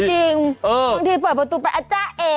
จริงบางทีเปิดประตูไปอ่ะจ๊ะเอ๋